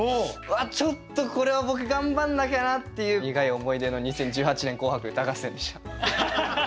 ちょっとこれは僕頑張んなきゃなっていう苦い思い出の２０１８年「紅白歌合戦」でした。